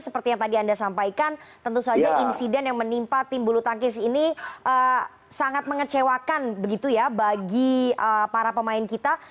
seperti yang tadi anda sampaikan tentu saja insiden yang menimpa tim bulu tangkis ini sangat mengecewakan begitu ya bagi para pemain kita